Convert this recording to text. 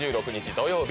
土曜日